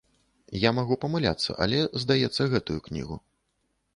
Я магу памыляцца, але, здаецца, гэтую кнігу.